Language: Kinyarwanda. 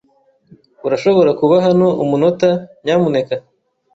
Urashobora kuza hano umunota, nyamuneka?